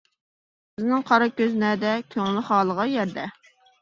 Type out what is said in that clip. بىزنىڭ قارا كۆز نەدە، كۆڭلى خالىغان يەردە.